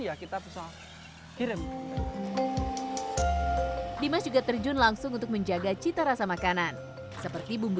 ya kita bisa ngirim di masjid terjun langsung untuk menjaga cita rasa makanan seperti bumbu